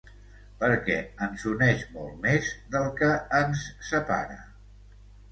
Perquè ens uneix molt més del que ens separa.